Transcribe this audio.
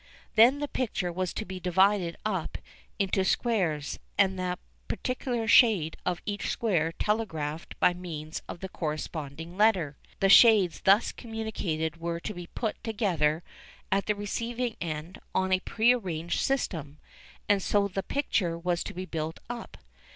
Then the picture was to be divided up into squares, and the particular shade of each square telegraphed by means of the corresponding letter. The shades thus communicated were to be put together at the receiving end, on a prearranged system, and so the picture was to be built up.